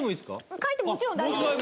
変えてももちろん大丈夫です。